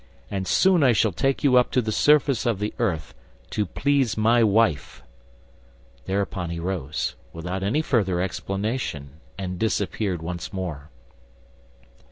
And soon I shall take you up to the surface of the earth, TO PLEASE MY WIFE." Thereupon he rose, without any further explanation, and disappeared once more.